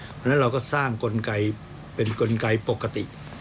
เพราะฉะนั้นเราก็สร้างกลไกเป็นกลไกปกติ